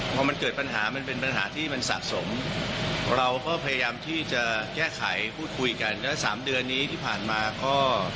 พอมันเกิดปัญหามันเป็นปัญหาที่มันสะสมเราก็พยายามที่จะแก้ไขพูดคุยกันแล้ว๓เดือนนี้ที่ผ่านมาก็